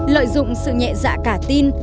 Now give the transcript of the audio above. lợi dụng sự nhẹ dạ cả tin